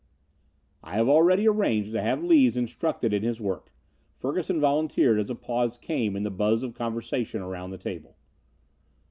"I have already arranged to have Lees instructed in his work," Ferguson volunteered as a pause came in the buzz of conversation about the table.